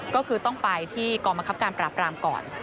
ก็คือต้องไปที่กองบังคับการปราบรามก่อน